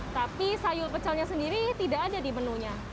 tapi sayur pecelnya sendiri tidak ada di menunya